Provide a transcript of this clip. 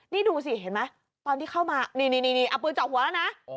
นี่ดูสิเห็นไหมตอนที่เข้ามานี่เอาปืนเจาะหัวแล้วนะ